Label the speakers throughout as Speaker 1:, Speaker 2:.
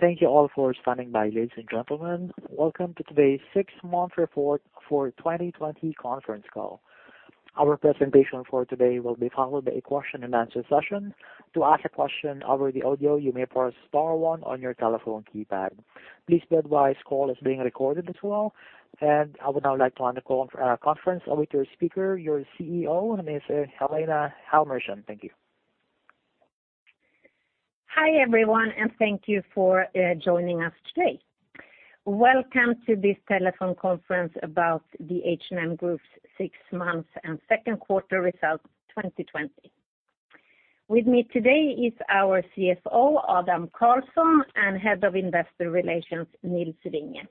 Speaker 1: Thank you all for standing by, ladies and gentlemen. Welcome to today's six-month report for 2020 conference call. Our presentation for today will be followed by a question-and-answer session. To ask a question over the audio, you may press star one on your telephone keypad. Please be advised, this call is being recorded as well. I would now like to hand the conference over to our speaker, your CEO, Ms. Helena Helmersson. Thank you.
Speaker 2: Hi, everyone, and thank you for joining us today. Welcome to this telephone conference about the H&M Group's six months and second quarter results 2020. With me today is our CFO, Adam Karlsson, and head of investor relations, Nils Vinge.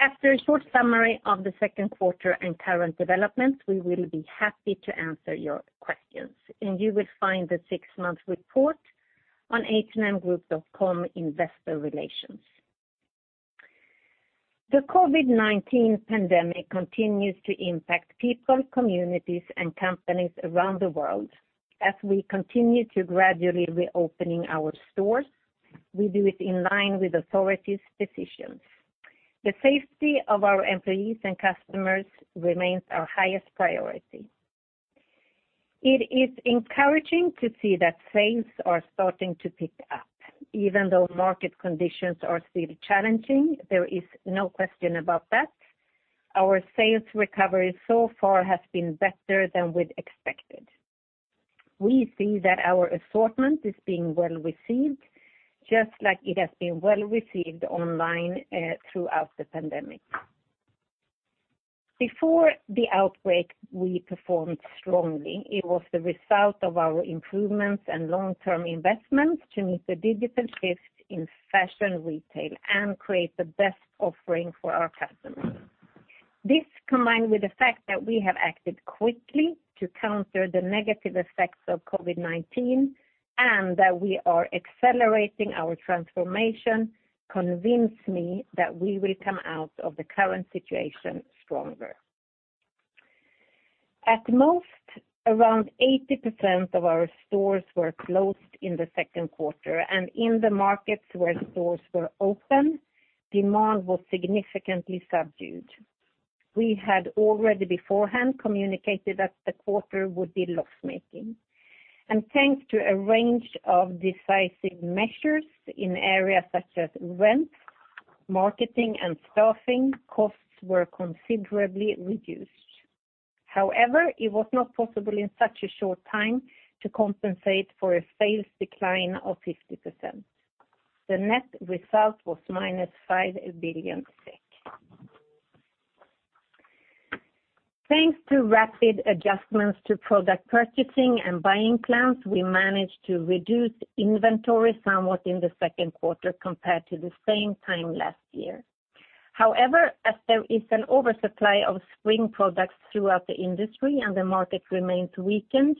Speaker 2: After a short summary of the second quarter and current developments, we will be happy to answer your questions, and you will find the six-month report on hmgroup.com/investor relations. The COVID-19 pandemic continues to impact people, communities, and companies around the world. As we continue to gradually reopen our stores, we do it in line with authorities' decisions. The safety of our employees and customers remains our highest priority. It is encouraging to see that sales are starting to pick up, even though market conditions are still challenging. There is no question about that. Our sales recovery so far has been better than we'd expected. We see that our assortment is being well-received, just like it has been well-received online throughout the pandemic. Before the outbreak, we performed strongly. It was the result of our improvements and long-term investments to meet the digital shift in fashion retail and create the best offering for our customers. This, combined with the fact that we have acted quickly to counter the negative effects of COVID-19 and that we are accelerating our transformation, convince me that we will come out of the current situation stronger. At most, around 80% of our stores were closed in the second quarter, and in the markets where stores were open, demand was significantly subdued. We had already beforehand communicated that the quarter would be loss-making. Thanks to a range of decisive measures in areas such as rent, marketing, and staffing, costs were considerably reduced. However, it was not possible in such a short time to compensate for a sales decline of 50%. The net result was -5 billion SEK. Thanks to rapid adjustments to product purchasing and buying plans, we managed to reduce inventory somewhat in the second quarter compared to the same time last year. However, as there is an oversupply of spring products throughout the industry and the market remains weakened,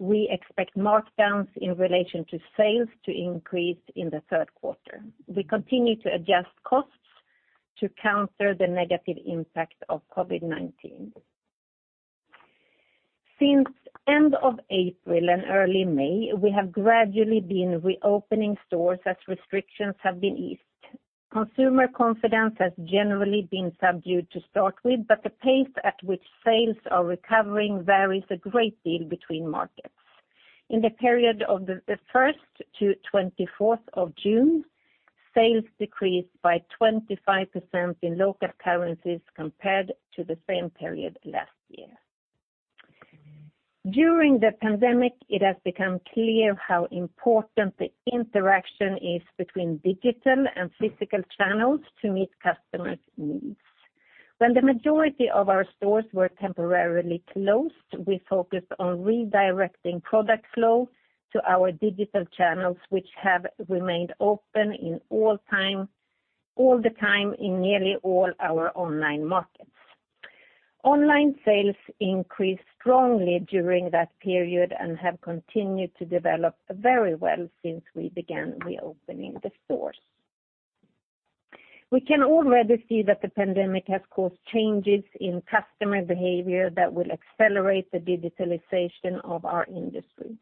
Speaker 2: we expect markdowns in relation to sales to increase in the third quarter. We continue to adjust costs to counter the negative impact of COVID-19. Since end of April and early May, we have gradually been reopening stores as restrictions have been eased. Consumer confidence has generally been subdued to start with, but the pace at which sales are recovering varies a great deal between markets. In the period of the 1st to 24th of June, sales decreased by 25% in local currencies compared to the same period last year. During the pandemic, it has become clear how important the interaction is between digital and physical channels to meet customers' needs. When the majority of our stores were temporarily closed, we focused on redirecting product flow to our digital channels, which have remained open all the time in nearly all our online markets. Online sales increased strongly during that period and have continued to develop very well since we began reopening the stores. We can already see that the pandemic has caused changes in customer behavior that will accelerate the digitalization of our industry.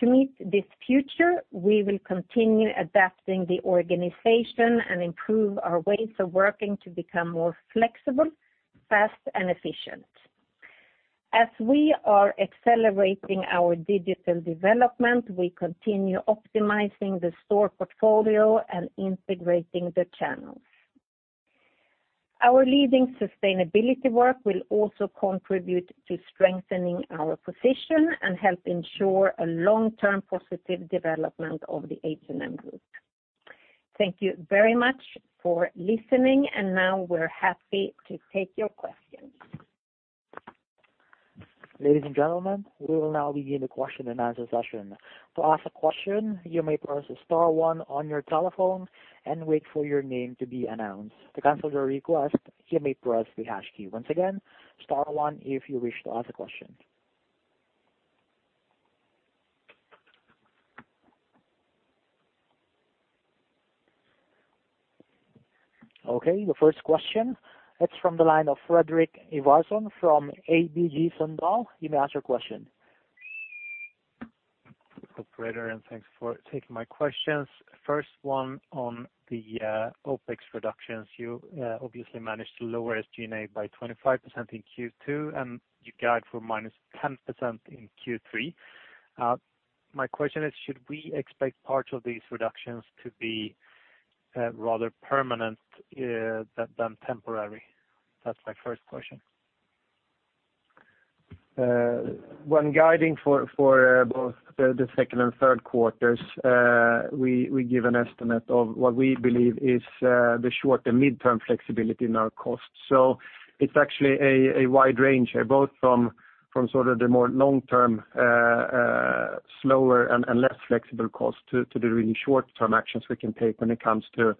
Speaker 2: To meet this future, we will continue adapting the organization and improve our ways of working to become more flexible, fast, and efficient. As we are accelerating our digital development, we continue optimizing the store portfolio and integrating the channels. Our leading sustainability work will also contribute to strengthening our position and help ensure a long-term positive development of the H&M Group. Thank you very much for listening, and now we're happy to take your questions.
Speaker 1: Ladies and gentlemen, we will now begin the question-and-answer session. To ask a question, you may press star one on your telephone and wait for your name to be announced. To cancel your request, you may press the hash key. Once again, star one if you wish to ask a question. Okay, the first question, it's from the line of Fredrik Ivarsson from ABG Sundal. You may ask your question.
Speaker 3: Operator, thanks for taking my questions. First one on the OpEx reductions. You obviously managed to lower SG&A by 25% in Q2, and you guide for minus 10% in Q3. My question is, should we expect parts of these reductions to be rather permanent than temporary? That's my first question.
Speaker 4: When guiding for both the second and third quarters, we give an estimate of what we believe is the short- and mid-term flexibility in our costs. It's actually a wide range, both from the more long-term, slower, and less flexible cost to the really short-term actions we can take when it comes to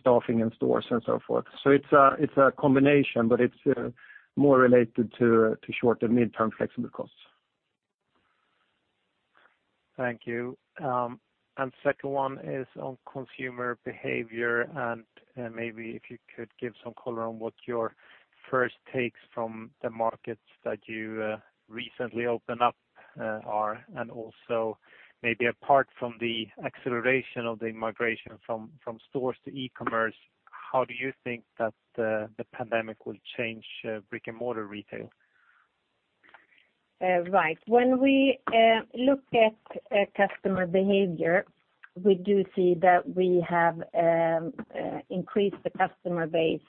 Speaker 4: staffing in stores and so forth. It's a combination, but it's more related to short- and mid-term flexible costs.
Speaker 3: Thank you. Second one is on consumer behavior, and maybe if you could give some color on what your first takes from the markets that you recently opened up are? Also maybe apart from the acceleration of the migration from stores to e-commerce, how do you think that the COVID-19 pandemic will change brick-and-mortar retail?
Speaker 2: Right. When we look at customer behavior, we do see that we have increased the customer base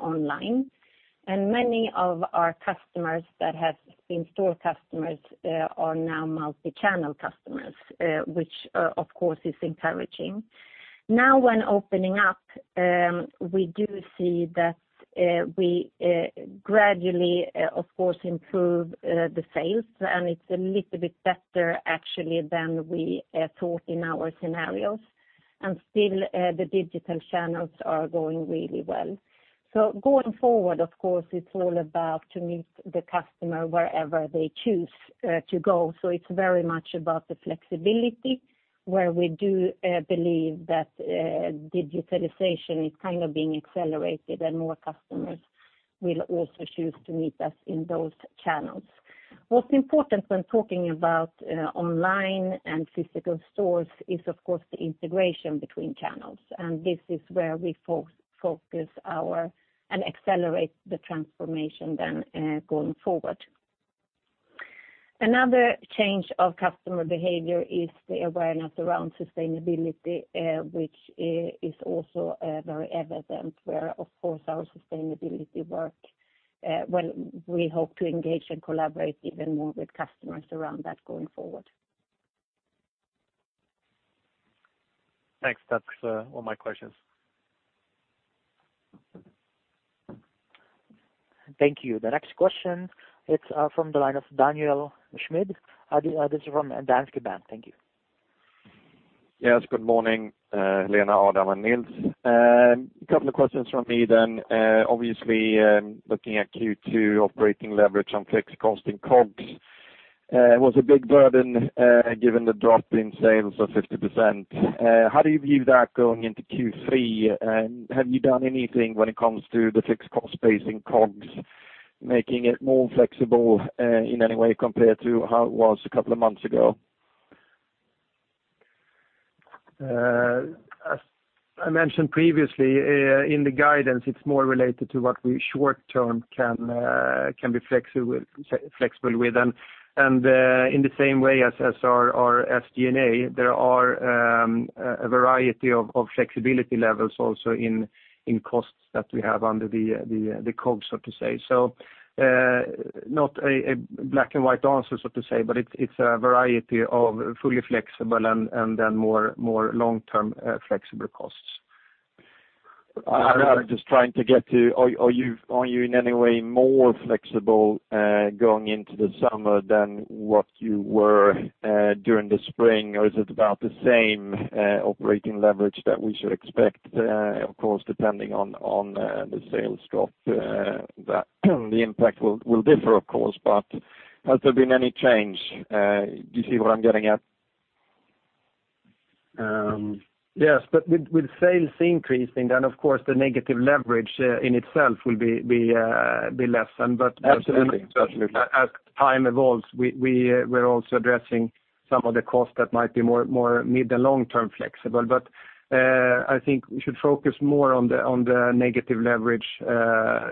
Speaker 2: online, and many of our customers that have been store customers are now multi-channel customers, which of course is encouraging. When opening up, we do see that we gradually, of course, improve the sales, and it's a little bit better actually than we thought in our scenarios. Still the digital channels are going really well. Going forward, of course, it's all about to meet the customer wherever they choose to go. It's very much about the flexibility, where we do believe that digitalization is being accelerated and more customers will also choose to meet us in those channels. What's important when talking about online and physical stores is, of course, the integration between channels, and this is where we focus our, and accelerate the transformation then going forward. Another change of customer behavior is the awareness around sustainability, which is also very evident where, of course, our sustainability work, well, we hope to engage and collaborate even more with customers around that going forward.
Speaker 3: Thanks. That's all my questions.
Speaker 1: Thank you. The next question, it is from the line of Daniel Schmidt. This is from Danske Bank. Thank you.
Speaker 5: Yes, good morning, Helena, Adam, and Nils. Couple of questions from me. Obviously, looking at Q2 operating leverage on fixed cost and COGS was a big burden given the drop in sales of 50%. How do you view that going into Q3? Have you done anything when it comes to the fixed cost base in COGS, making it more flexible in any way compared to how it was a couple of months ago?
Speaker 4: As I mentioned previously, in the guidance, it's more related to what we short-term can be flexible with. In the same way as our SG&A, there are a variety of flexibility levels also in costs that we have under the COGS, so to say. Not a black-and-white answer, so to say, but it's a variety of fully flexible and then more long-term flexible costs.
Speaker 5: I'm just trying to get to, are you in any way more flexible going into the summer than what you were during the spring? Is it about the same operating leverage that we should expect, of course, depending on the sales drop that the impact will differ, of course, but has there been any change? Do you see what I'm getting at?
Speaker 4: Yes, with sales increasing, then of course the negative leverage in itself will be lessened, but as time evolves, we're also addressing some of the costs that might be more mid to long-term flexible. I think we should focus more on the negative leverage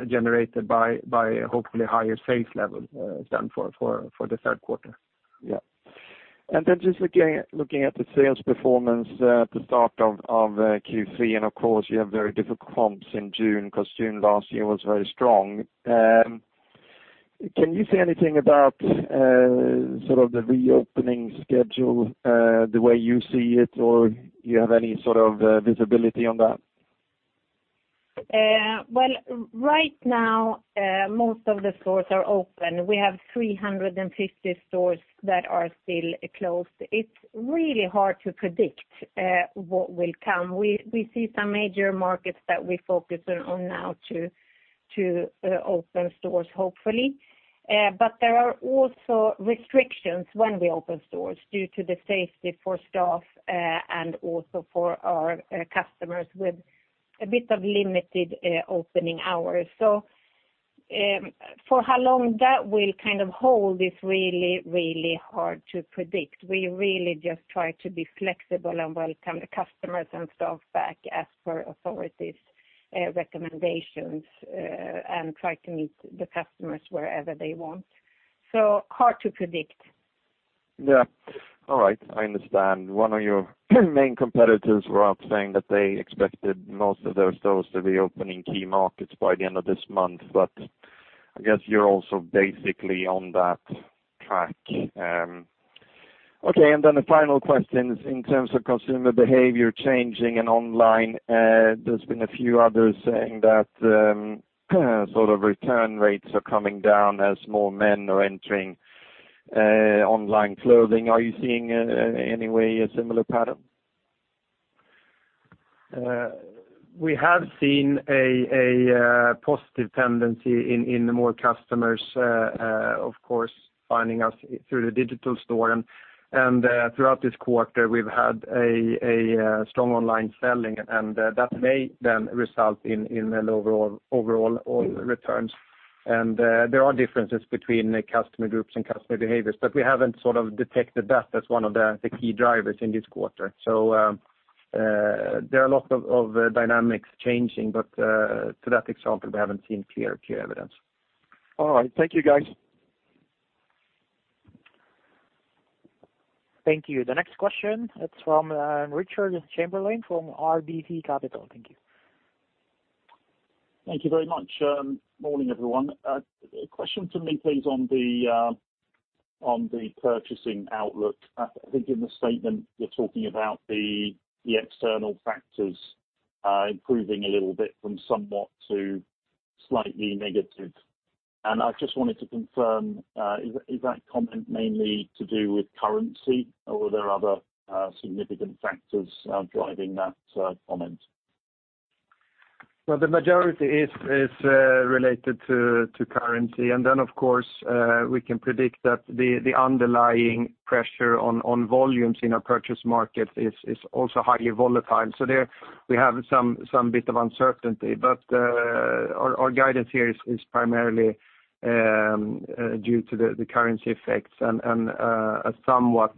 Speaker 4: generated by hopefully higher sales levels than for the third quarter.
Speaker 5: Yeah. Just looking at the sales performance at the start of Q3, and of course you have very difficult comps in June because June last year was very strong. Can you say anything about the reopening schedule, the way you see it, or do you have any sort of visibility on that?
Speaker 2: Well, right now, most of the stores are open. We have 350 stores that are still closed. It's really hard to predict what will come. We see some major markets that we're focusing on now to open stores, hopefully. There are also restrictions when we open stores due to the safety for staff and also for our customers with a bit of limited opening hours. For how long that will hold is really, really hard to predict. We really just try to be flexible and welcome the customers and staff back as per authorities' recommendations, and try to meet the customers wherever they want. It's hard to predict.
Speaker 5: Yeah. All right. I understand. One of your main competitors were out saying that they expected most of their stores to be opening key markets by the end of this month, but I guess you're also basically on that track. Okay, the final question is in terms of consumer behavior changing and online, there's been a few others saying that sort of return rates are coming down as more men are entering online clothing. Are you seeing any way a similar pattern?
Speaker 4: We have seen a positive tendency in the more customers, of course, finding us through the digital store. Throughout this quarter, we've had a strong online selling that may result in lower overall returns. There are differences between customer groups and customer behaviors, but we haven't sort of detected that as one of the key drivers in this quarter. There are a lot of dynamics changing, but, to that example, we haven't seen clear evidence.
Speaker 5: All right. Thank you, guys.
Speaker 1: Thank you. The next question, it's from Richard Chamberlain from RBC Capital. Thank you.
Speaker 6: Thank you very much. Morning, everyone. Question for me, please, on the purchasing outlook. I think in the statement you're talking about the external factors improving a little bit from somewhat to slightly negative. I just wanted to confirm, is that comment mainly to do with currency or were there other significant factors driving that comment?
Speaker 4: Well, the majority is related to currency. Of course, we can predict that the underlying pressure on volumes in our purchase market is also highly volatile. There, we have some bit of uncertainty, but our guidance here is primarily due to the currency effects and a somewhat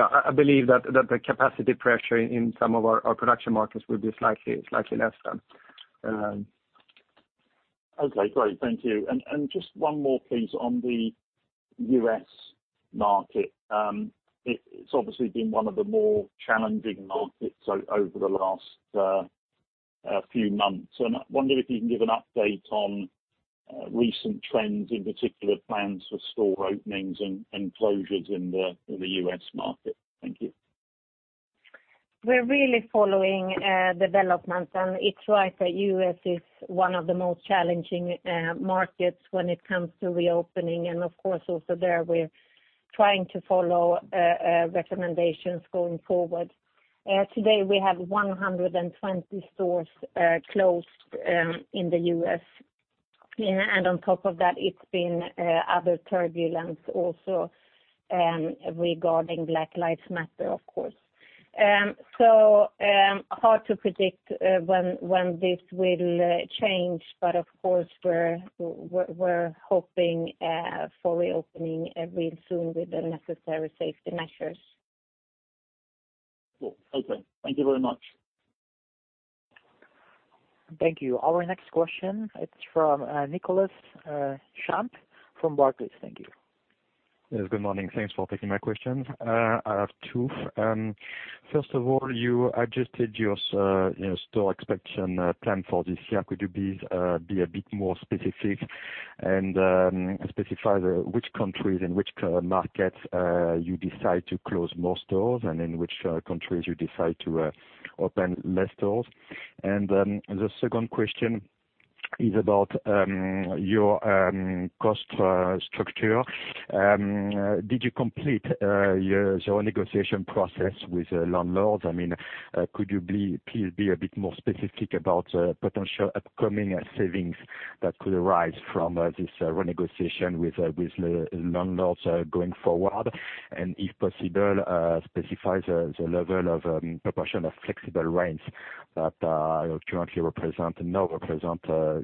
Speaker 4: I believe that the capacity pressure in some of our production markets will be slightly less than.
Speaker 6: Okay, great. Thank you. Just one more please, on the U.S. market. It's obviously been one of the more challenging markets over the last few months, and I wonder if you can give an update on recent trends, in particular plans for store openings and closures in the U.S. market. Thank you.
Speaker 2: We're really following development, and it's right that U.S. is one of the most challenging markets when it comes to reopening, and of course, also there, we're trying to follow recommendations going forward. Today, we have 120 stores closed in the U.S., and on top of that, it's been other turbulence also regarding Black Lives Matter, of course. Hard to predict when this will change, but of course, we're hoping for reopening real soon with the necessary safety measures.
Speaker 6: Cool. Okay. Thank you very much.
Speaker 1: Thank you. Our next question, it's from Nicolas Champ from Barclays. Thank you.
Speaker 7: Yes, good morning. Thanks for taking my questions. I have two. First of all, you adjusted your store expansion plan for this year. Could you please be a bit more specific and specify which countries and which markets you decide to close more stores and in which countries you decide to open less stores? The second question is about your cost structure. Did you complete your negotiation process with landlords? Could you please be a bit more specific about potential upcoming savings that could arise from this renegotiation with landlords going forward? If possible, specify the level of proportion of flexible rents that currently represent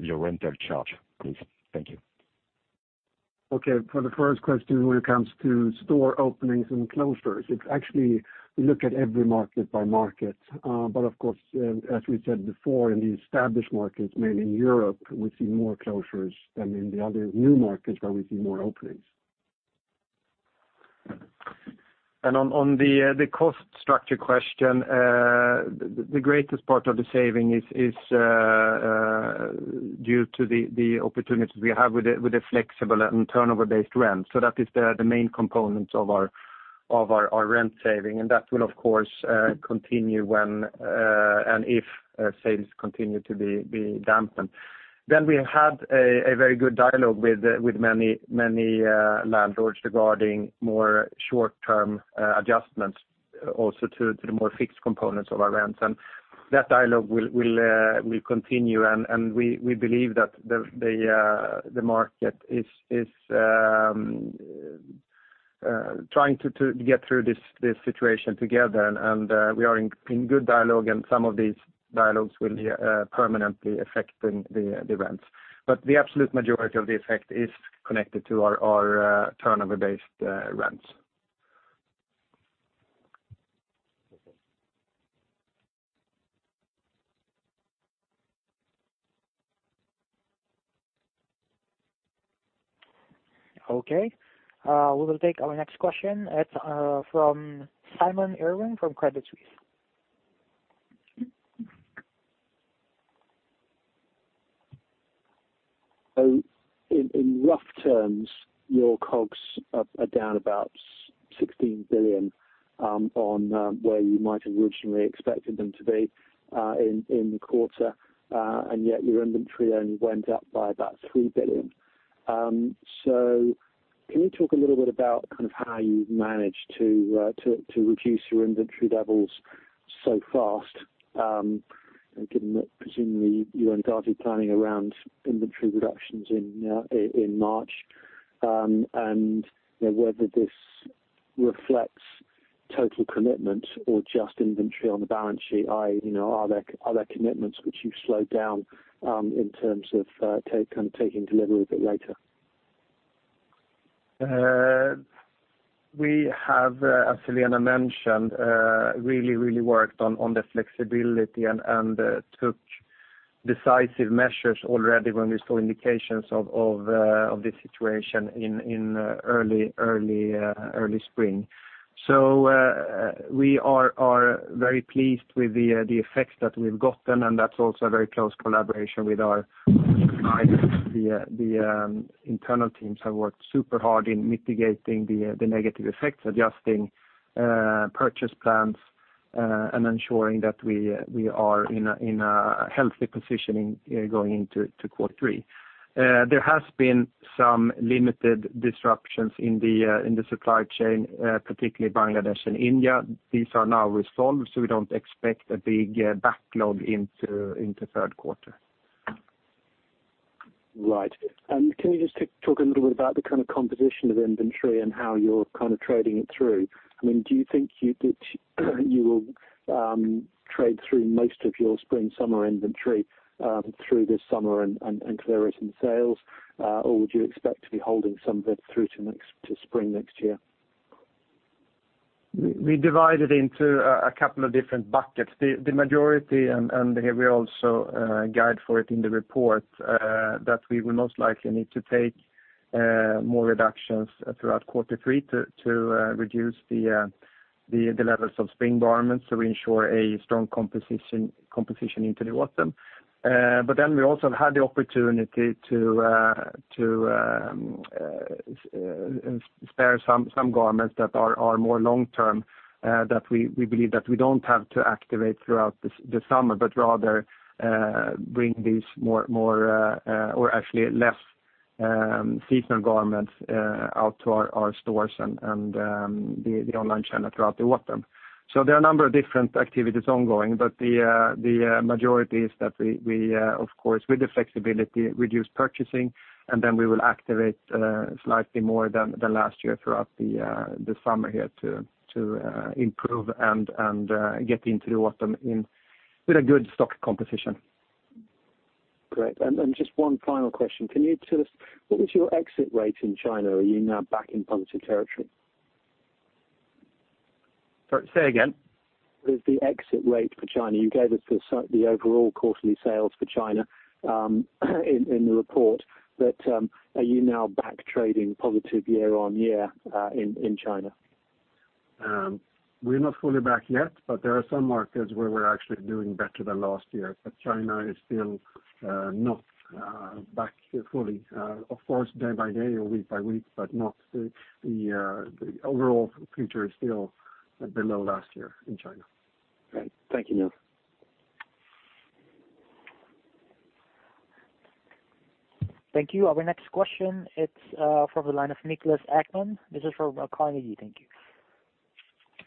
Speaker 7: your rental charge, please. Thank you.
Speaker 4: Okay. For the first question, when it comes to store openings and closures, it's actually, we look at every market by market. Of course, as we said before, in the established markets, mainly in Europe, we see more closures than in the other new markets where we see more openings. On the cost structure question, the greatest part of the saving is due to the opportunities we have with the flexible and turnover-based rent. That is the main component of our rent saving, and that will, of course, continue when, and if sales continue to be dampened. We had a very good dialogue with many landlords regarding more short-term adjustments also to the more fixed components of our rents. That dialogue will continue, and we believe that the market is trying to get through this situation together. We are in good dialogue, and some of these dialogues will permanently affect the rents. The absolute majority of the effect is connected to our turnover-based rents.
Speaker 1: Okay. We will take our next question. It's from Simon Irwin from Credit Suisse.
Speaker 8: In rough terms, your COGS are down about 16 billion on where you might have originally expected them to be in the quarter, and yet your inventory only went up by about 3 billion. Can you talk a little bit about how you've managed to reduce your inventory levels so fast, given that presumably you weren't hardly planning around inventory reductions in March, and whether this reflects total commitment or just inventory on the balance sheet? Are there commitments which you've slowed down in terms of taking delivery a bit later?
Speaker 4: We have, as Helena mentioned, really worked on the flexibility and took decisive measures already when we saw indications of this situation in early spring. We are very pleased with the effects that we've gotten, and that's also a very close collaboration with our suppliers. The internal teams have worked super hard in mitigating the negative effects, adjusting purchase plans, and ensuring that we are in a healthy positioning going into quarter three. There has been some limited disruptions in the supply chain, particularly Bangladesh and India. These are now resolved, we don't expect a big backlog into third quarter.
Speaker 8: Right. Can you just talk a little bit about the kind of composition of inventory and how you're trading it through? Do you think you will trade through most of your spring/summer inventory through this summer and clear it in sales, or would you expect to be holding some of it through to spring next year?
Speaker 4: We divide it into a couple of different buckets. The majority, and we also guide for it in the report, that we will most likely need to take more reductions throughout quarter three to reduce the levels of spring garments so we ensure a strong composition into the autumn. We also had the opportunity to spare some garments that are more long-term, that we believe that we don't have to activate throughout the summer, but rather bring these more, or actually less seasonal garments out to our stores and the online channel throughout the autumn. There are a number of different activities ongoing, but the majority is that we, of course, with the flexibility, reduce purchasing, and then we will activate slightly more than the last year throughout the summer here to improve and get into the autumn with a good stock composition.
Speaker 8: Great. Just one final question. Can you tell us, what was your exit rate in China? Are you now back in positive territory?
Speaker 4: Sorry, say again.
Speaker 8: What is the exit rate for China? You gave us the overall quarterly sales for China in the report, but are you now back trading positive year-on-year in China?
Speaker 4: We're not fully back yet, there are some markets where we're actually doing better than last year. China is still not back fully. Of course, day by day or week by week, but the overall picture is still below last year in China.
Speaker 8: Great. Thank you.
Speaker 1: Thank you. Our next question, it's from the line of Niklas Ekman. This is from Carnegie. Thank you.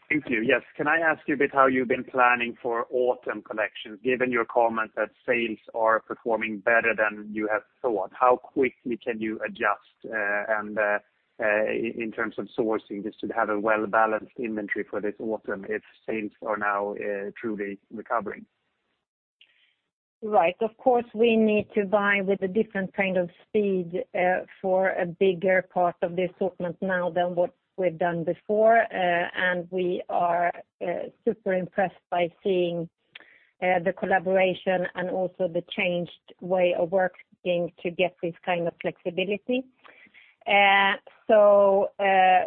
Speaker 9: Thank you. Yes. Can I ask you a bit how you've been planning for autumn collections, given your comment that sales are performing better than you have thought? How quickly can you adjust in terms of sourcing just to have a well-balanced inventory for this autumn if sales are now truly recovering?
Speaker 2: Right. Of course, we need to buy with a different kind of speed for a bigger part of the assortment now than what we've done before, and we are super impressed by seeing the collaboration and also the changed way of working to get this kind of flexibility.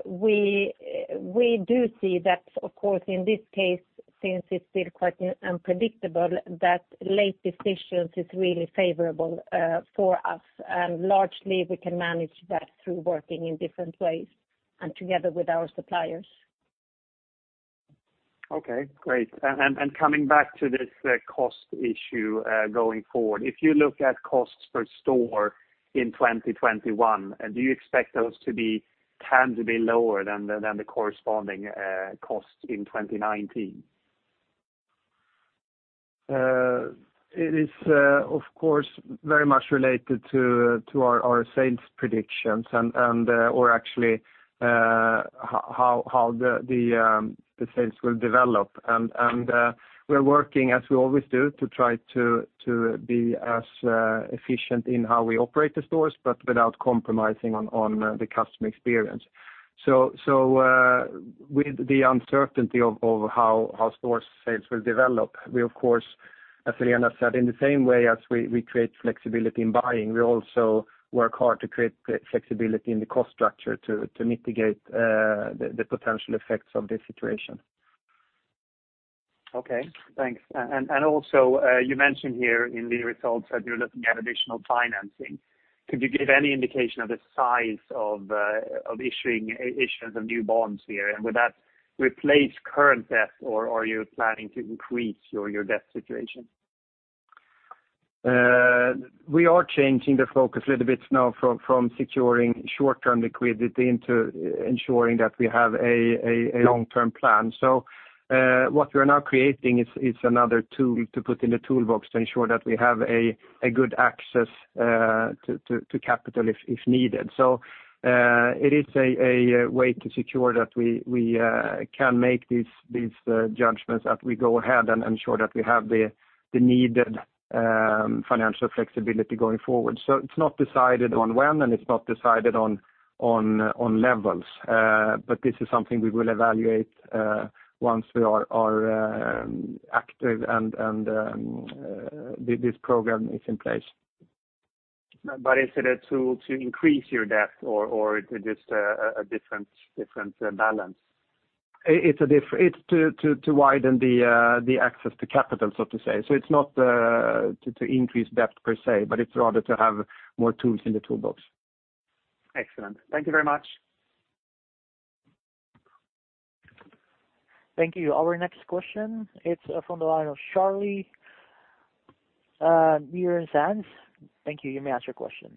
Speaker 2: We do see that, of course, in this case, since it's still quite unpredictable, that late decisions is really favorable for us. Largely, we can manage that through working in different ways and together with our suppliers.
Speaker 9: Okay, great. Coming back to this cost issue going forward, if you look at costs per store in 2021, do you expect those to be tangibly lower than the corresponding costs in 2019?
Speaker 4: It is, of course, very much related to our sales predictions and, or actually how the sales will develop. We're working as we always do to try to be as efficient in how we operate the stores, but without compromising on the customer experience. With the uncertainty of how store sales will develop, we of course, as Helena said, in the same way as we create flexibility in buying, we also work hard to create flexibility in the cost structure to mitigate the potential effects of this situation.
Speaker 9: Okay, thanks. Also, you mentioned here in the results that you're looking at additional financing. Could you give any indication of the size of issuance of new bonds here, and would that replace current debt, or are you planning to increase your debt situation?
Speaker 4: We are changing the focus a little bit now from securing short-term liquidity into ensuring that we have a long-term plan. What we're now creating is another tool to put in the toolbox to ensure that we have a good access to capital if needed. It is a way to secure that we can make these judgments as we go ahead and ensure that we have the needed financial flexibility going forward. It's not decided on when, and it's not decided on levels. This is something we will evaluate once we are active and this program is in place.
Speaker 9: Is it a tool to increase your debt or is it just a different balance?
Speaker 4: It's to widen the access to capital, so to say. It's not to increase debt per se, but it's rather to have more tools in the toolbox.
Speaker 9: Excellent. Thank you very much.
Speaker 1: Thank you. Our next question, it's from the line of Charlie Muir-Sands. Thank you. You may ask your question.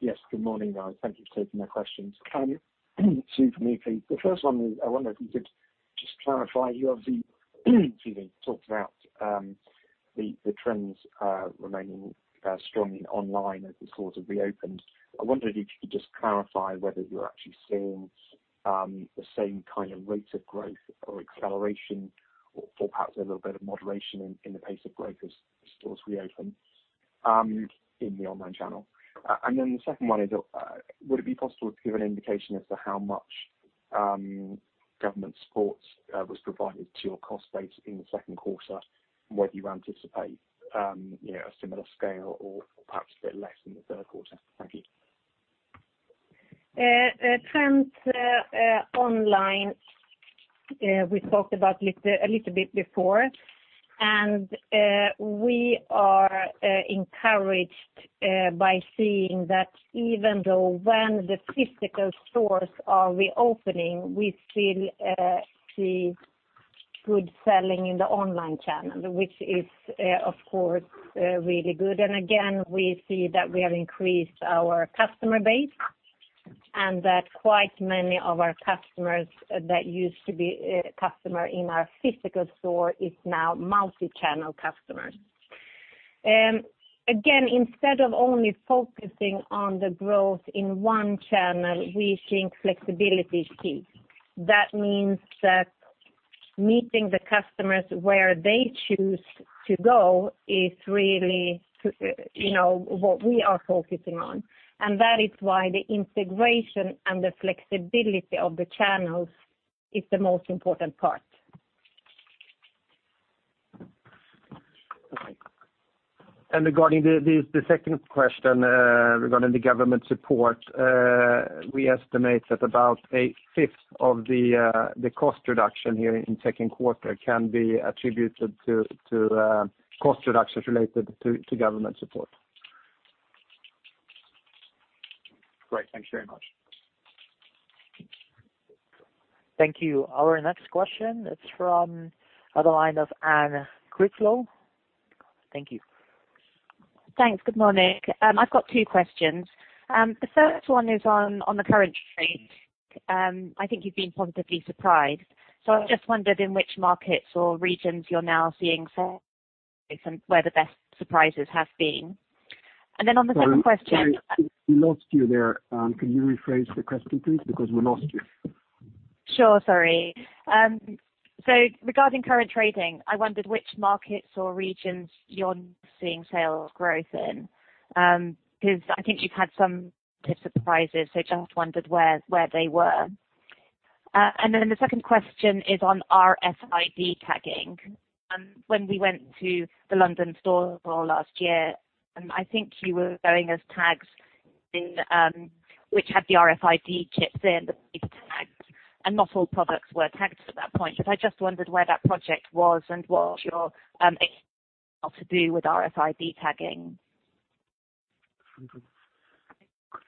Speaker 10: Yes. Good morning, guys. Thank you for taking my questions. Two from me, please. The first one is, I wonder if you could just clarify, you obviously talked about the trends remaining strongly online as the stores have reopened. I wondered if you could just clarify whether you're actually seeing the same kind of rate of growth or acceleration or perhaps a little bit of moderation in the pace of growth as stores reopen in the online channel. The second one is, would it be possible to give an indication as to how much government support was provided to your cost base in the second quarter? Whether you anticipate a similar scale or perhaps a bit less in the third quarter? Thank you.
Speaker 2: Trends online, we talked about a little bit before. We are encouraged by seeing that even though when the physical stores are reopening, we still see good selling in the online channel, which is, of course, really good. Again, we see that we have increased our customer base and that quite many of our customers that used to be a customer in our physical store is now multi-channel customers. Again, instead of only focusing on the growth in one channel, we think flexibility is key. That means that meeting the customers where they choose to go is really what we are focusing on. That is why the integration and the flexibility of the channels is the most important part.
Speaker 4: Regarding the second question, regarding the government support, we estimate that about a fifth of the cost reduction here in the second quarter can be attributed to cost reductions related to government support.
Speaker 10: Great. Thank you very much.
Speaker 1: Thank you. Our next question is from the line of Anne Critchlow. Thank you.
Speaker 11: Thanks. Good morning. I've got two questions. The first one is on the current trade. I think you've been positively surprised. I just wondered in which markets or regions you're now seeing sales growth and where the best surprises have been. On the second question.
Speaker 1: Sorry, we lost you there, Anne. Can you rephrase the question, please, because we lost you.
Speaker 11: Sure. Sorry. Regarding current trading, I wondered which markets or regions you're now seeing sales growth in. Because I think you've had some positive surprises, so just wondered where they were. The second question is on RFID tagging. When we went to the London store last year, I think you were showing us tags, which had the RFID chips in the tags, and not all products were tagged at that point. I just wondered where that project was and what your expectations are to do with RFID tagging.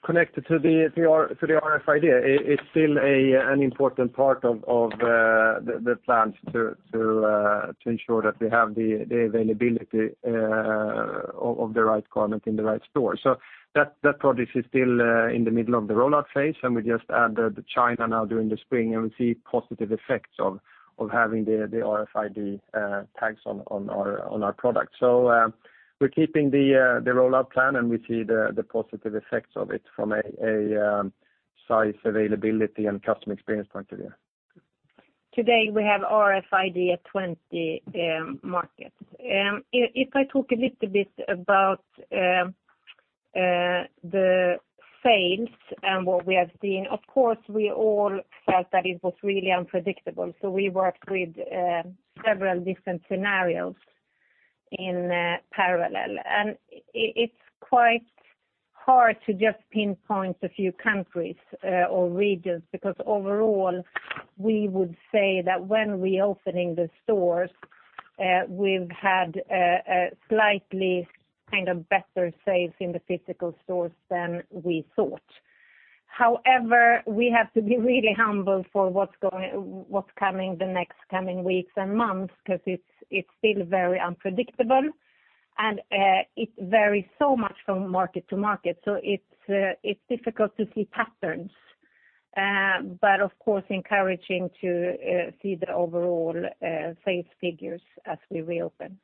Speaker 4: Connected to the RFID, it's still an important part of the plans to ensure that we have the availability of the right garment in the right store. That project is still in the middle of the rollout phase, and we just added China now during the spring, and we see positive effects of having the RFID tags on our products. We're keeping the rollout plan, and we see the positive effects of it from a size availability and customer experience point of view.
Speaker 2: Today, we have RFID at 20 markets. If I talk a little bit about the sales and what we have seen, of course, we all felt that it was really unpredictable, so we worked with several different scenarios in parallel. It's quite hard to just pinpoint a few countries or regions, because overall, we would say that when reopening the stores, we've had a slightly better sales in the physical stores than we thought. However, we have to be really humble for what's coming the next coming weeks and months, because it's still very unpredictable, and it varies so much from market to market. It's difficult to see patterns, but of course, encouraging to see the overall sales figures as we reopen.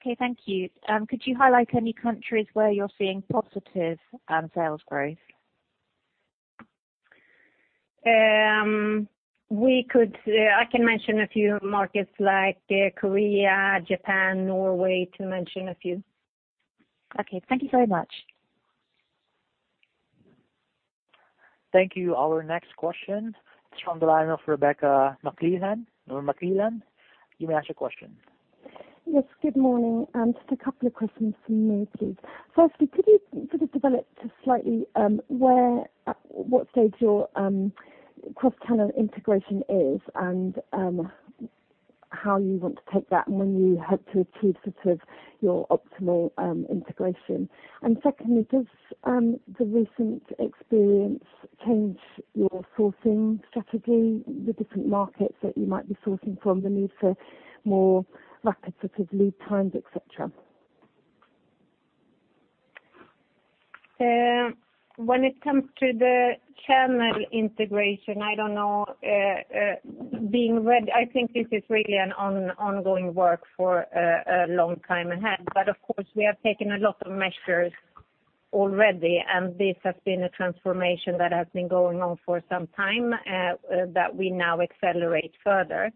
Speaker 11: Okay, thank you. Could you highlight any countries where you're seeing positive sales growth?
Speaker 2: I can mention a few markets like Korea, Japan, Norway, to mention a few.
Speaker 11: Okay. Thank you very much.
Speaker 1: Thank you. Our next question is from the line of Rebecca McClellan. McClellan, you may ask your question.
Speaker 12: Yes, good morning. Just a couple of questions from me, please. Firstly, could you sort of develop just slightly, what stage your cross-channel integration is and how you want to take that and when you hope to achieve sort of your optimal integration? Secondly, does the recent experience change your sourcing strategy with different markets that you might be sourcing from, the need for more rapid sort of lead times, et cetera?
Speaker 2: When it comes to the channel integration, I don't know, I think this is really an ongoing work for a long time ahead. Of course, we have taken a lot of measures already, and this has been a transformation that has been going on for some time, that we now accelerate further.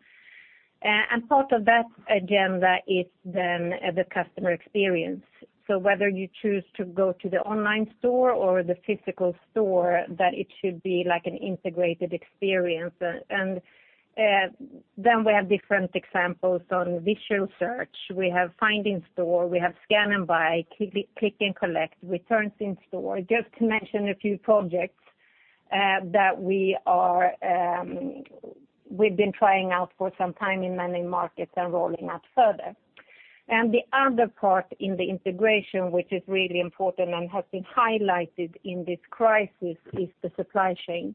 Speaker 2: Part of that agenda is then the customer experience. Whether you choose to go to the online store or the physical store, that it should be like an integrated experience. We have different examples on visual search. We have find in store, we have scan and buy, click and collect, returns in store, just to mention a few projects that we've been trying out for some time in many markets and rolling out further. The other part in the integration, which is really important and has been highlighted in this crisis, is the supply chain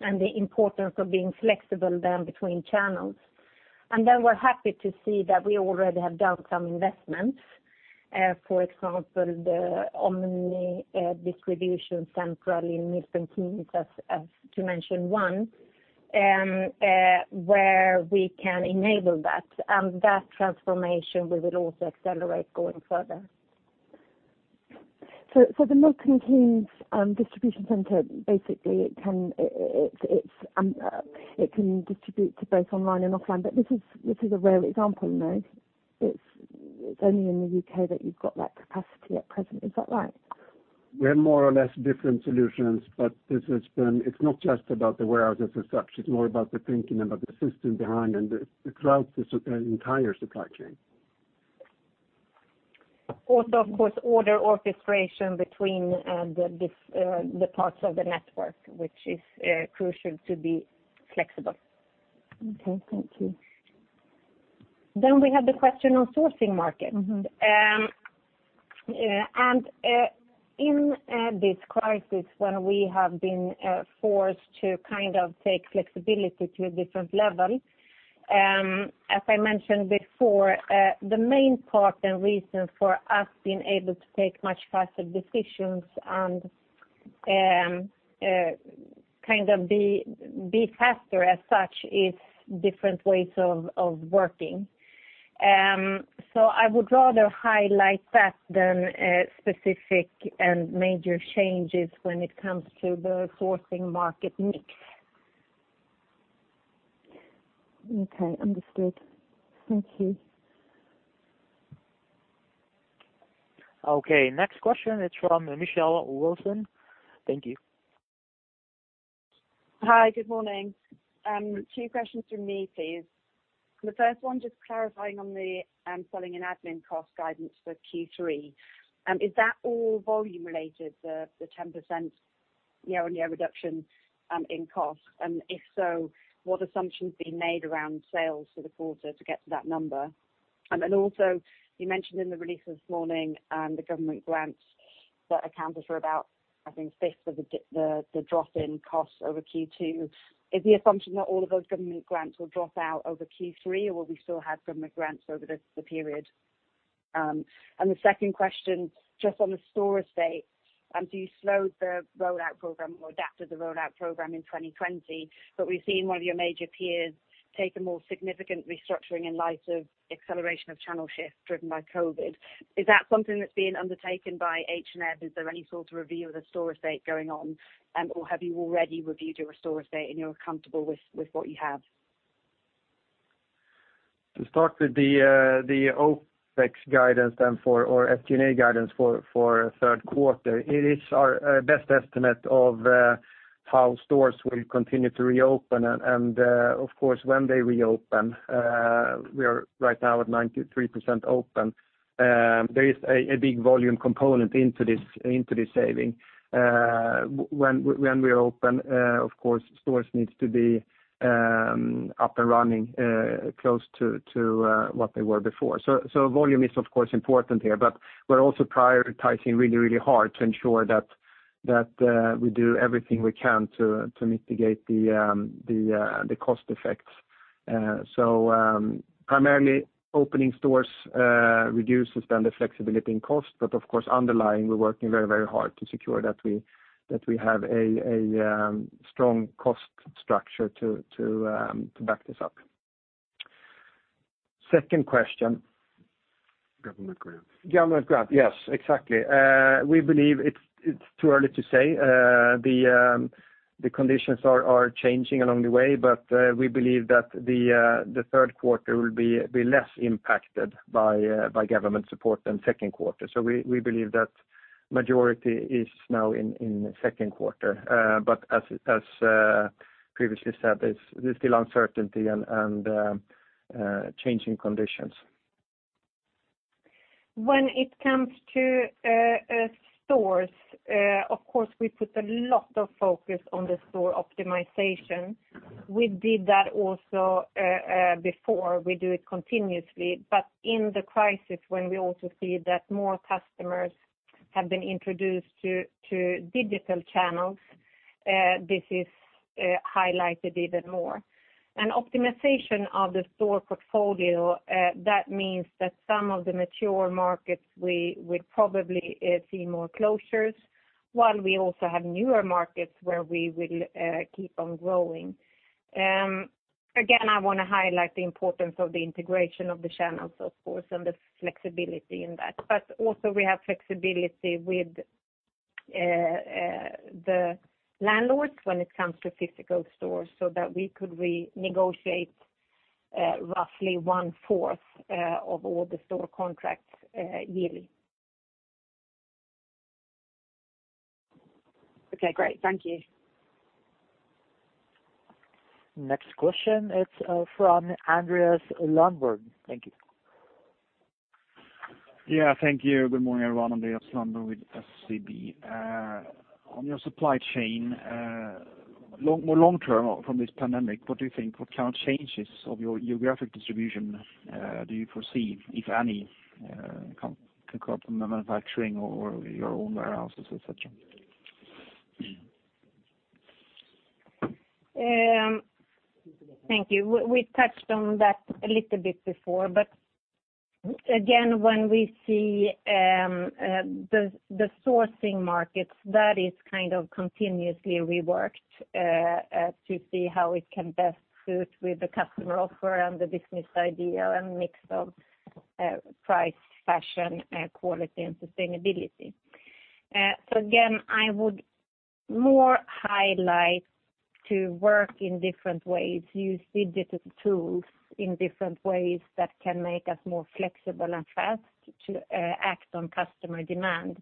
Speaker 2: and the importance of being flexible then between channels. We're happy to see that we already have done some investments. For example, the omni distribution center in Milton Keynes, to mention one, where we can enable that. That transformation, we will also accelerate going further.
Speaker 12: For the Milton Keynes distribution center, it can distribute to both online and offline, but this is a rare example, no? It's only in the U.K. that you've got that capacity at present. Is that right?
Speaker 4: We have more or less different solutions, but it's not just about the warehouses as such, it's more about the thinking, about the system behind and throughout the entire supply chain.
Speaker 2: Of course, order orchestration between the parts of the network, which is crucial to be flexible.
Speaker 12: Okay, thank you.
Speaker 2: We have the question on sourcing markets. In this crisis, when we have been forced to kind of take flexibility to a different level, as I mentioned before, the main part and reason for us being able to take much faster decisions and kind of be faster as such is different ways of working. I would rather highlight that than specific and major changes when it comes to the sourcing market mix.
Speaker 12: Okay, understood. Thank you.
Speaker 1: Okay, next question is from Michelle Wilson. Thank you.
Speaker 13: Hi, good morning. Two questions from me, please. The first one, just clarifying on the selling and admin cost guidance for Q3. Is that all volume related, the 10%? Year-on-year reduction in cost. If so, what assumptions have been made around sales for the quarter to get to that number? You mentioned in the release this morning, the government grants that accounted for about, I think, a fifth of the drop in costs over Q2. Is the assumption that all of those government grants will drop out over Q3, or will we still have government grants over the period? The second question, just on the store estate, do you slow the rollout program or adapt to the rollout program in 2020? We've seen one of your major peers take a more significant restructuring in light of acceleration of channel shifts driven by COVID. Is that something that's being undertaken by H&M? Is there any sort of review of the store estate going on, or have you already reviewed your store estate and you're comfortable with what you have?
Speaker 4: To start with the OpEx guidance for, or SG&A guidance for third quarter, it is our best estimate of how stores will continue to reopen and, of course, when they reopen. We are right now at 93% open. There is a big volume component into this saving. When we open, of course, stores need to be up and running close to what they were before. Volume is, of course, important here, but we're also prioritizing really hard to ensure that we do everything we can to mitigate the cost effects. Primarily opening stores reduces the flexibility in cost, but of course underlying, we're working very hard to secure that we have a strong cost structure to back this up. Second question.
Speaker 14: Government grant.
Speaker 4: Government grant. Yes, exactly. We believe it's too early to say. The conditions are changing along the way. We believe that the third quarter will be less impacted by government support than the second quarter. We believe that the majority is now in the second quarter. As previously said, there's still uncertainty and changing conditions.
Speaker 2: When it comes to stores, of course, we put a lot of focus on the store optimization. We did that also before. We do it continuously, in the crisis, when we also see that more customers have been introduced to digital channels, this is highlighted even more. Optimization of the store portfolio, that means that some of the mature markets we would probably see more closures, while we also have newer markets where we will keep on growing. Again, I want to highlight the importance of the integration of the channels, of course, and the flexibility in that. Also we have flexibility with the landlords when it comes to physical stores so that we could renegotiate roughly one fourth of all the store contracts yearly.
Speaker 13: Okay, great. Thank you.
Speaker 1: Next question. It is from Andreas Lundberg. Thank you.
Speaker 15: Yeah, thank you. Good morning, everyone. Andreas Lundberg with SEB. On your supply chain, more long-term from this pandemic, what do you think, what kind of changes of your geographic distribution do you foresee, if any, can come from manufacturing or your own warehouses, et cetera?
Speaker 2: Thank you. We touched on that a little bit before, but again, when we see the sourcing markets, that is kind of continuously reworked to see how it can best suit with the customer offer and the business idea and mix of price, fashion, quality, and sustainability. Again, I would more highlight to work in different ways, use digital tools in different ways that can make us more flexible and fast to act on customer demand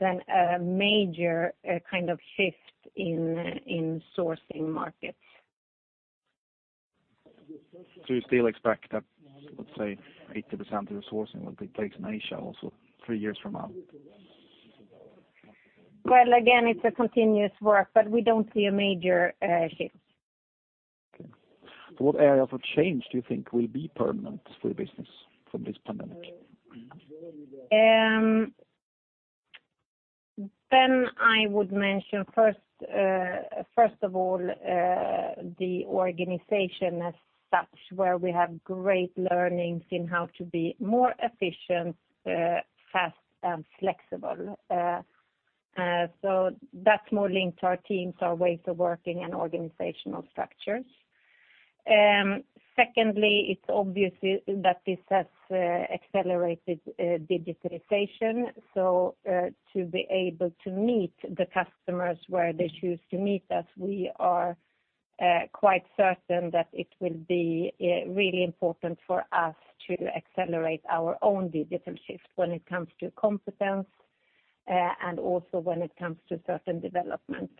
Speaker 2: than a major kind of shift in sourcing markets.
Speaker 15: Do you still expect that, let's say, 80% of the sourcing will be placed in Asia also three years from now?
Speaker 2: Again, it's a continuous work, but we don't see a major shift.
Speaker 15: Okay. What areas of change do you think will be permanent for the business from this pandemic?
Speaker 2: I would mention first of all, the organization as such, where we have great learnings in how to be more efficient, fast, and flexible. That's more linked to our teams, our ways of working, and organizational structures. Secondly, it's obvious that this has accelerated digitalization, so to be able to meet the customers where they choose to meet us, we are quite certain that it will be really important for us to accelerate our own digital shift when it comes to competence, and also when it comes to certain development.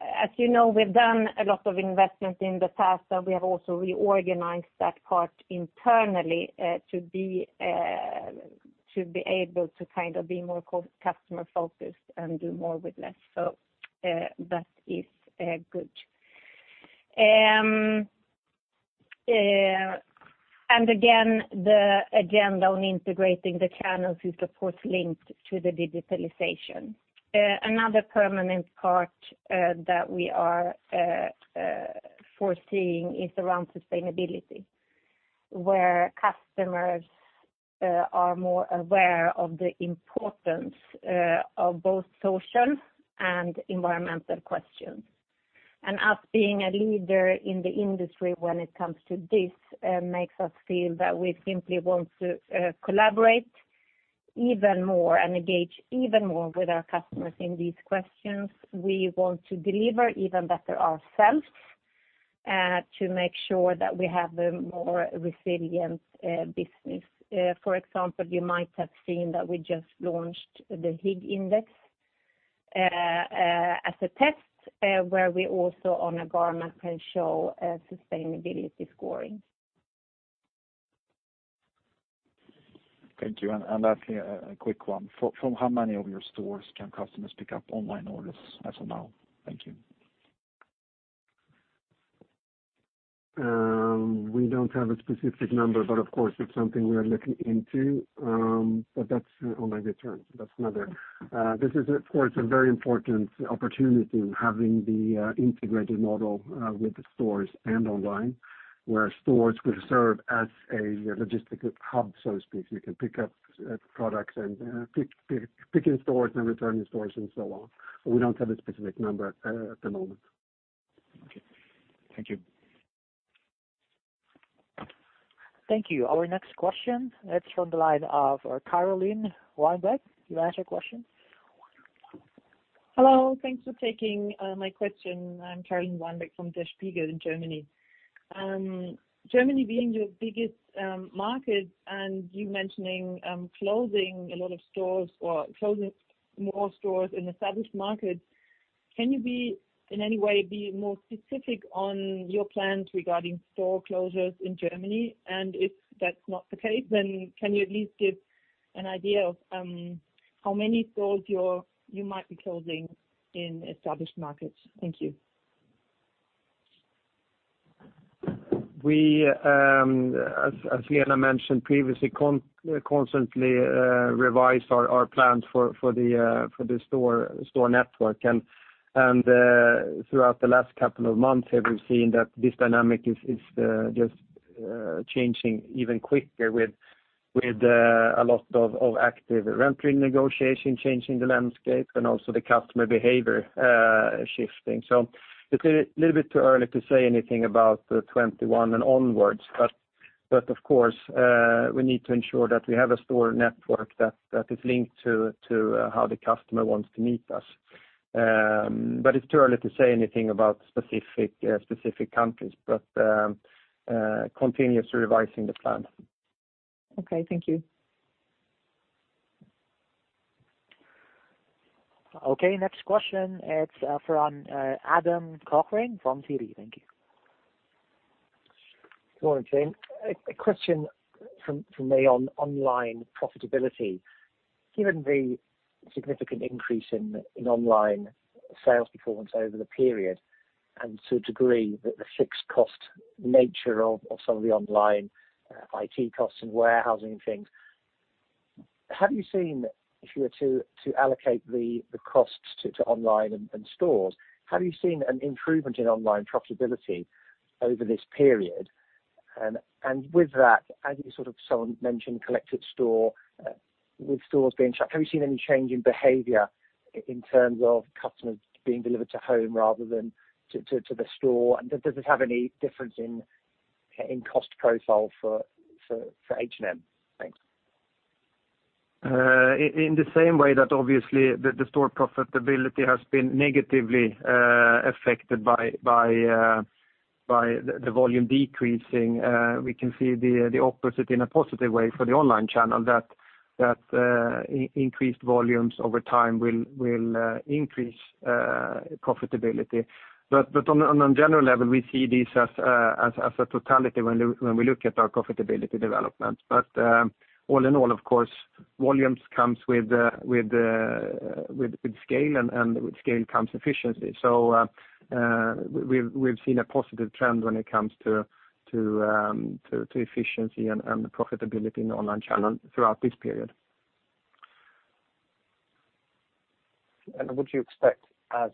Speaker 2: As you know, we've done a lot of investment in the past, and we have also reorganized that part internally to be able to be more customer-focused and do more with less. That is good. Again, the agenda on integrating the channels is, of course, linked to the digitalization. Another permanent part that we are foreseeing is around sustainability, where customers are more aware of the importance of both social and environmental questions. Us being a leader in the industry when it comes to this, makes us feel that we simply want to collaborate even more and engage even more with our customers in these questions. We want to deliver even better ourselves to make sure that we have a more resilient business. For example, you might have seen that we just launched the Higg Index as a test, where we also on a garment can show a sustainability scoring.
Speaker 15: Thank you. Lastly, a quick one. From how many of your stores can customers pick up online orders as of now? Thank you.
Speaker 4: We don't have a specific number, of course, it's something we are looking into. That's online returns. This is, of course, a very important opportunity in having the integrated model with the stores and online, where stores will serve as a logistic hub, so to speak. You can pick up products and pick in stores and return in stores and so on. We don't have a specific number at the moment.
Speaker 15: Okay. Thank you.
Speaker 1: Thank you. Our next question, it's from the line of Caroline Weinbeck. You may ask your question.
Speaker 16: Hello. Thanks for taking my question. I'm Caroline Weinbeck from Der Spiegel in Germany. Germany being your biggest market and you mentioning closing a lot of stores or closing more stores in established markets, can you be, in any way, be more specific on your plans regarding store closures in Germany? If that's not the case, then can you at least give an idea of how many stores you might be closing in established markets? Thank you.
Speaker 4: We, as Helena mentioned previously, constantly revise our plans for the store network. Throughout the last couple of months, we've seen that this dynamic is just changing even quicker with a lot of active rent negotiation changing the landscape and also the customer behavior shifting. It's a little bit too early to say anything about 2021 and onwards, but of course, we need to ensure that we have a store network that is linked to how the customer wants to meet us. It's too early to say anything about specific countries, but continuously revising the plan.
Speaker 16: Okay, thank you.
Speaker 1: Okay, next question. It's from Adam Cochrane from Citi. Thank you.
Speaker 17: Good morning, team. A question from me on online profitability. Given the significant increase in online sales performance over the period, and to a degree, that the fixed cost nature of some of the online IT costs and warehousing things, if you were to allocate the costs to online and stores, have you seen an improvement in online profitability over this period? With that, as you mentioned collected store, with stores being shut, have you seen any change in behavior in terms of customers being delivered to home rather than to the store? Does it have any difference in cost profile for H&M? Thanks.
Speaker 4: In the same way that obviously the store profitability has been negatively affected by the volume decreasing, we can see the opposite in a positive way for the online channel that increased volumes over time will increase profitability. On a general level, we see this as a totality when we look at our profitability development. All in all, of course, volumes comes with scale, and with scale comes efficiency. We've seen a positive trend when it comes to efficiency and profitability in the online channel throughout this period.
Speaker 17: Would you expect as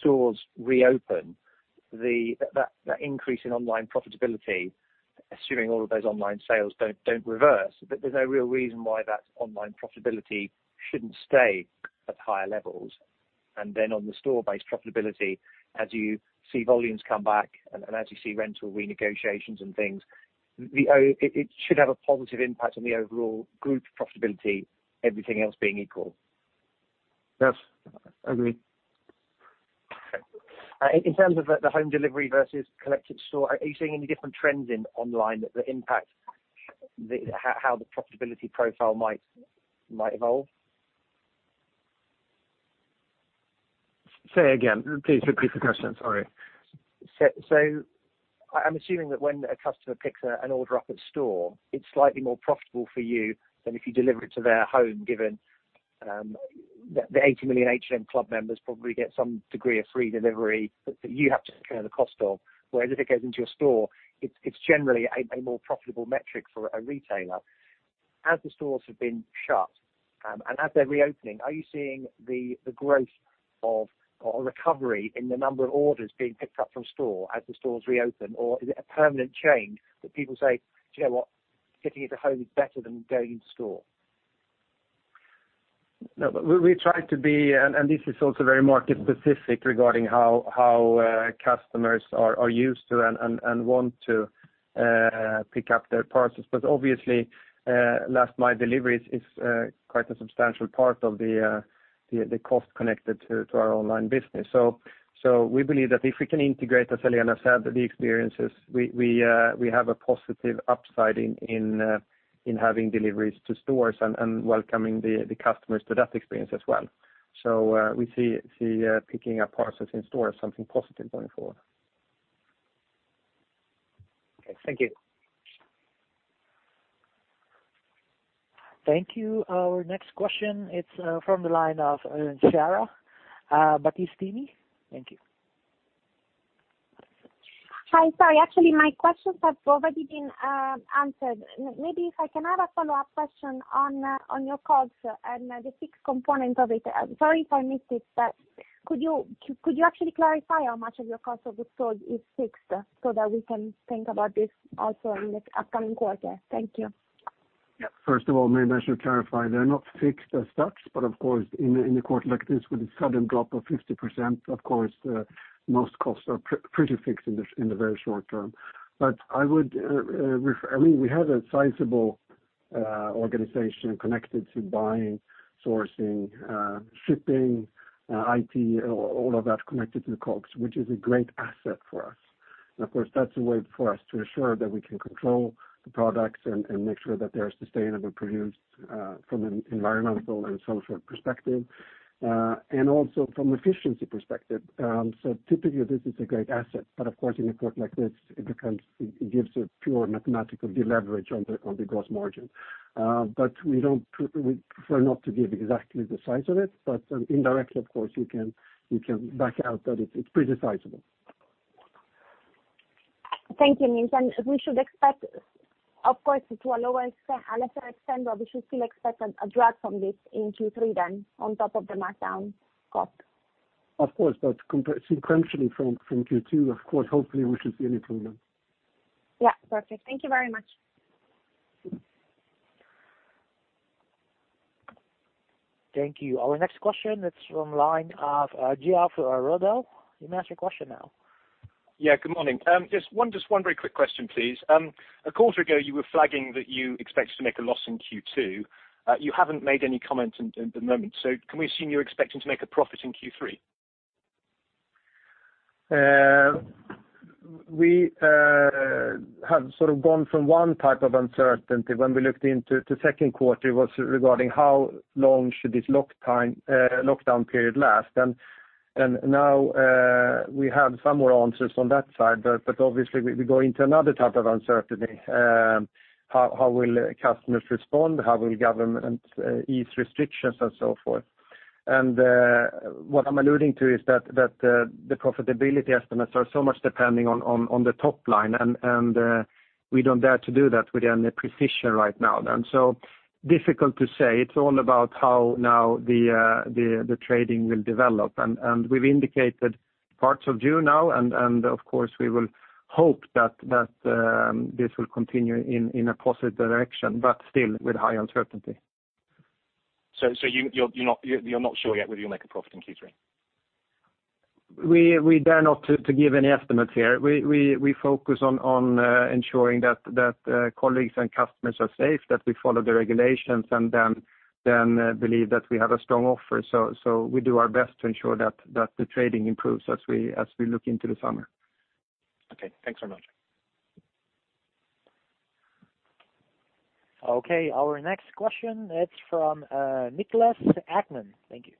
Speaker 17: stores reopen, that increase in online profitability, assuming all of those online sales don't reverse, there's no real reason why that online profitability shouldn't stay at higher levels. Then on the store-based profitability, as you see volumes come back and as you see rental renegotiations and things, it should have a positive impact on the overall group profitability, everything else being equal.
Speaker 4: Yes, agreed.
Speaker 17: In terms of the home delivery versus collected store, are you seeing any different trends in online that impact? how the profitability profile might evolve.
Speaker 4: Say again, please repeat the question. Sorry.
Speaker 17: I'm assuming that when a customer picks an order up at store, it's slightly more profitable for you than if you deliver it to their home, given that the 80 million H&M Club members probably get some degree of free delivery that you have to bear the cost of. Whereas if it goes into a store, it's generally a more profitable metric for a retailer. As the stores have been shut and as they're reopening, are you seeing the growth or recovery in the number of orders being picked up from store as the stores reopen? Or is it a permanent change that people say, "Do you know what? Getting it at home is better than going in store.
Speaker 4: We try to be, and this is also very market specific regarding how customers are used to and want to pick up their parcels, because obviously last mile deliveries is quite a substantial part of the cost connected to our online business. We believe that if we can integrate, as Helena said, the experiences, we have a positive upside in having deliveries to stores and welcoming the customers to that experience as well. We see picking up parcels in store as something positive going forward.
Speaker 17: Okay, thank you.
Speaker 1: Thank you. Our next question, it's from the line of Sarah Battistini. Thank you.
Speaker 18: Hi. Sorry, actually, my questions have already been answered. Maybe if I can have a follow-up question on your calls and the fixed component of it. Sorry if I missed it, but could you actually clarify how much of your cost of goods sold is fixed so that we can think about this also in the upcoming quarter? Thank you.
Speaker 14: First of all, maybe I should clarify, they're not fixed as such, but of course, in a quarter like this, with a sudden drop of 50%, of course, most costs are pretty fixed in the very short term. We have a sizable organization connected to buying, sourcing, shipping, IT, all of that connected to the COGS, which is a great asset for us. Of course, that's a way for us to assure that we can control the products and make sure that they're sustainably produced from an environmental and social perspective, and also from efficiency perspective. Typically, this is a great asset, but of course, in a quarter like this, it gives a pure mathematical deleverage on the gross margin. We prefer not to give exactly the size of it, but indirectly, of course, you can back out that it's pretty sizable.
Speaker 18: Thank you, Nils. We should expect, of course, to a lower extent, a lesser extent, but we should still expect a drop from this in Q3 then, on top of the markdown cost.
Speaker 4: Of course, sequentially from Q2, of course, hopefully we should see an improvement.
Speaker 18: Yeah. Perfect. Thank you very much.
Speaker 1: Thank you. Our next question, it's from line of Geoff Ruddell. You may ask your question now.
Speaker 19: Good morning. Just one very quick question, please. A quarter ago, you were flagging that you expected to make a loss in Q2. You haven't made any comment at the moment. Can we assume you're expecting to make a profit in Q3?
Speaker 4: We have sort of gone from 1 type of uncertainty. When we looked into the second quarter, it was regarding how long should this lockdown period last. Now we have some more answers on that side. Obviously, we go into another type of uncertainty. How will customers respond, how will government ease restrictions, and so forth. What I'm alluding to is that the profitability estimates are so much depending on the top line, and we don't dare to do that with any precision right now. So difficult to say. It's all about how now the trading will develop. We've indicated parts of June now, and of course, we will hope that this will continue in a positive direction, but still with high uncertainty.
Speaker 19: You're not sure yet whether you'll make a profit in Q3?
Speaker 4: We dare not to give any estimates here. We focus on ensuring that colleagues and customers are safe, that we follow the regulations, and then believe that we have a strong offer. We do our best to ensure that the trading improves as we look into the summer.
Speaker 19: Okay, thanks very much.
Speaker 1: Okay, our next question, it's from Niklas Ekman. Thank you.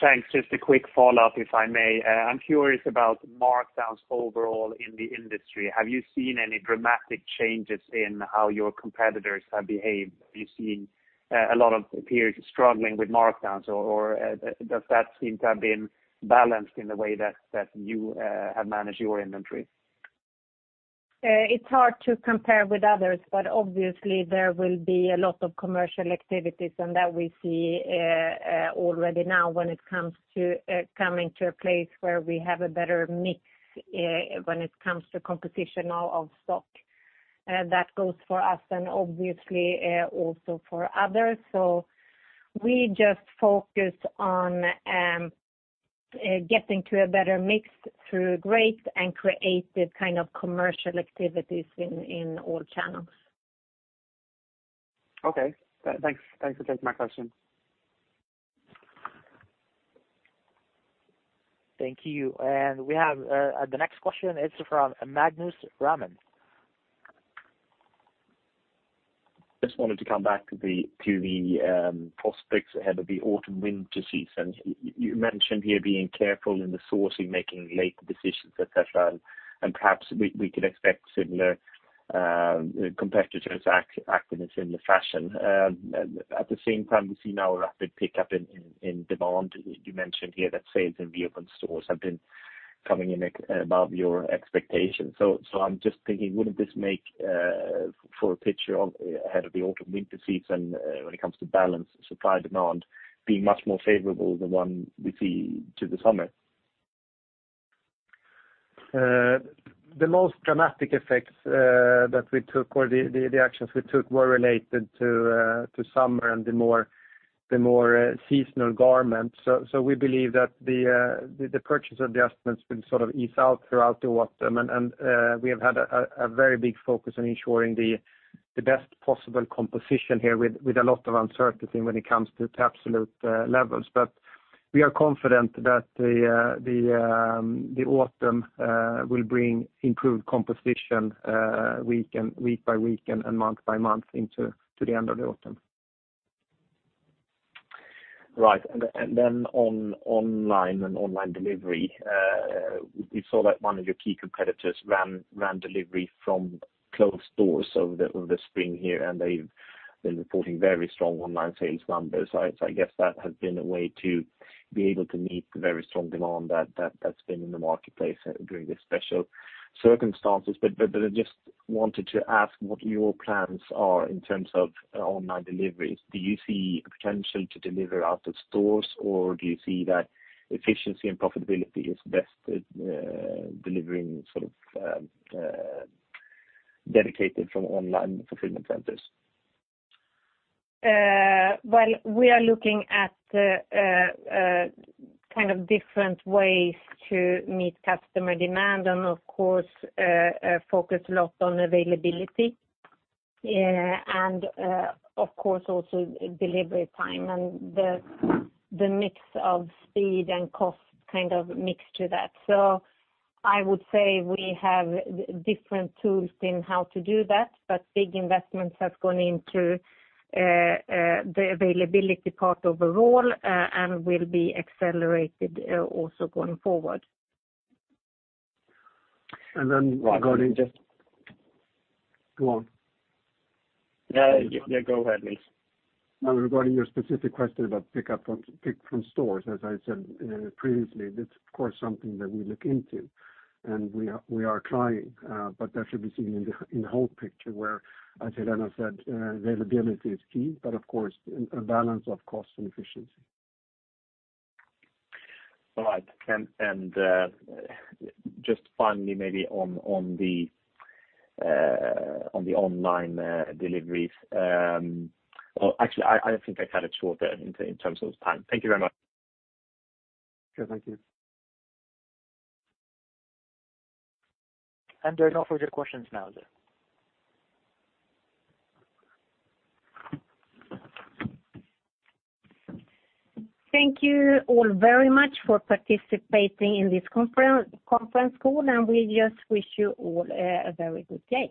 Speaker 9: Thanks. Just a quick follow-up, if I may. I am curious about markdowns overall in the industry. Have you seen any dramatic changes in how your competitors have behaved? Are you seeing a lot of peers struggling with markdowns, or does that seem to have been balanced in the way that you have managed your inventory?
Speaker 2: It's hard to compare with others, but obviously there will be a lot of commercial activities, and that we see already now when it comes to coming to a place where we have a better mix when it comes to composition now of stock. That goes for us and obviously also for others. We just focus on getting to a better mix through great and creative kind of commercial activities in all channels.
Speaker 9: Okay. Thanks for taking my question.
Speaker 1: Thank you. We have the next question is from Magnus Raman.
Speaker 20: Just wanted to come back to the prospects ahead of the autumn-winter season. You mentioned here being careful in the sourcing, making late decisions, et cetera, and perhaps we could expect similar competitors acting in a similar fashion. At the same time, we see now a rapid pickup in demand. You mentioned here that sales in physical stores have been coming in above your expectations. I'm just thinking, wouldn't this make for a picture ahead of the autumn-winter season when it comes to balance supply-demand, being much more favorable than the one we see to the summer?
Speaker 4: The most dramatic effects that we took, or the actions we took, were related to summer and the more seasonal garments. We believe that the purchase adjustments will sort of ease out throughout the autumn. We have had a very big focus on ensuring the best possible composition here with a lot of uncertainty when it comes to absolute levels. We are confident that the autumn will bring improved composition week by week and month by month into the end of the autumn.
Speaker 20: Right. Then on online and online delivery, we saw that one of your key competitors ran delivery from closed stores over the spring here, and they've been reporting very strong online sales numbers. I guess that has been a way to be able to meet the very strong demand that's been in the marketplace during the special circumstances. I just wanted to ask what your plans are in terms of online deliveries. Do you see a potential to deliver out of stores, or do you see that efficiency and profitability is best delivering dedicated from online fulfillment centers?
Speaker 2: Well, we are looking at different ways to meet customer demand and of course, focus a lot on availability and of course also delivery time and the mix of speed and cost kind of mixed to that. I would say we have different tools in how to do that, but big investments have gone into the availability part overall and will be accelerated also going forward.
Speaker 4: Go on.
Speaker 20: Yeah, go ahead, please.
Speaker 4: Regarding your specific question about pick from stores, as I said previously, that's of course something that we look into and we are trying, but that should be seen in the whole picture where, as Helena said, availability is key, but of course, a balance of cost and efficiency.
Speaker 20: All right. Just finally, maybe on the online deliveries. Well, actually, I think I cut it short there in terms of time. Thank you very much.
Speaker 4: Okay, thank you.
Speaker 1: There are no further questions now, is there?
Speaker 2: Thank you all very much for participating in this conference call, and we just wish you all a very good day.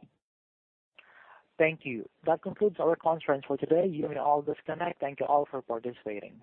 Speaker 1: Thank you. That concludes our conference for today. You may all disconnect. Thank you all for participating.